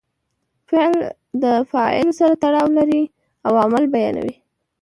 فعل د فاعل سره تړاو لري او عمل بیانوي.